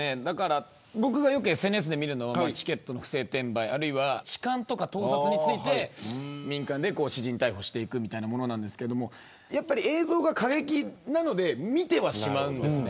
僕がよくＳＮＳで見るのはチケットの不正転売あるいは痴漢や盗撮について民間で私人逮捕していくみたいなものですが映像が過激なので見てはしまうんですね。